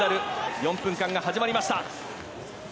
４分間が始まりました。